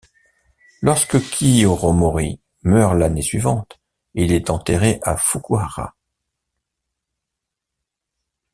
Lorsque Kiyomori meurt l'année suivante, il est enterré à Fukuhara.